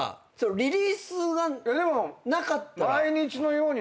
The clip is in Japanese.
リリースがなかったら。